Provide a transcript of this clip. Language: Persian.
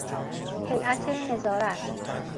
هیئت نظارت